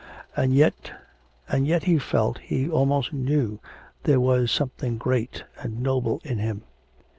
and yet, and yet he felt, he almost knew, there was something great and noble in him.